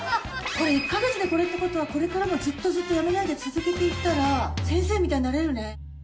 これ１か月でこれってことはこれからもずっとずっとやめないで続けて行ったら先生みたいになれるね。